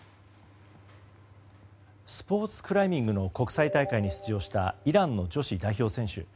スポーツクライミングの国際大会に出場したイランの女子代表選手。